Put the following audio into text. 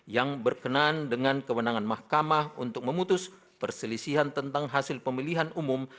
yang berkenan dengan kewenangan mahkamah untuk memutus perselisihan tentang hasil pemilihan umum